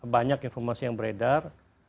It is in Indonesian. banyak informasi yang beredar